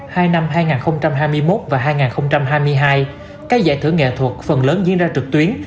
hai năm hai nghìn hai mươi một và hai nghìn hai mươi hai các giải thưởng nghệ thuật phần lớn diễn ra trực tuyến